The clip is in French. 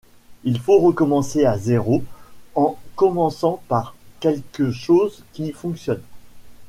Il faut recommencer à zéro en commençant par quelque chose qui fonctionne.